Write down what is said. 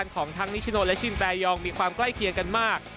ของทั้งนิชโนและชินแปรยองมีความใกล้เคียงกันมาก